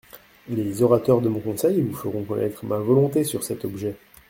Les orateurs de mon conseil vous feront connaître ma volonté sur cet objet.